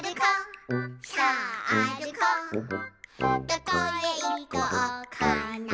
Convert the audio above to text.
「どこへいこうかな」